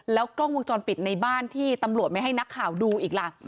กล้องวงจรปิดในบ้านที่ตำรวจไม่ให้นักข่าวดูอีกล่ะ